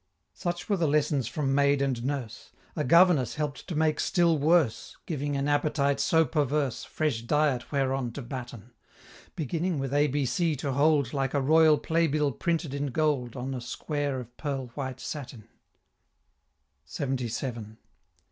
Such were the lessons from maid and nurse, A Governess help'd to make still worse, Giving an appetite so perverse Fresh diet whereon to batten Beginning with A B C to hold Like a royal playbill printed in gold On a square of pearl white satin LXXVII.